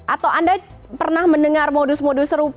atau anda pernah mendengar modus modus serupa